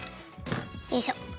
よいしょ。